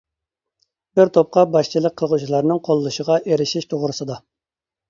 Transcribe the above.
بىر توپقا باشچىلىق قىلغۇچىلارنىڭ قوللىشىغا ئېرىشىش توغرىسىدا.